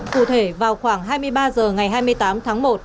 cụ thể vào khoảng hai mươi ba h ngày hai mươi tám tháng một